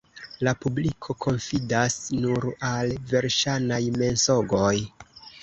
La publiko konfidas nur al verŝajnaj mensogoj.